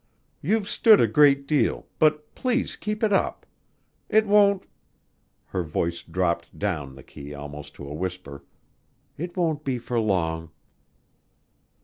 "You've stood a great deal, but please keep it up. It won't" her voice dropped down the key almost to a whisper "it won't be for long."